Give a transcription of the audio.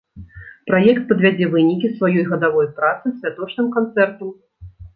Праект падвядзе вынікі сваёй гадавой працы святочным канцэртам.